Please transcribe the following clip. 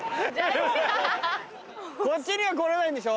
こっちには来れないんでしょ？